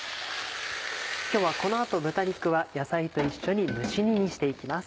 今日はこの後豚肉は野菜と一緒に蒸し煮にしていきます。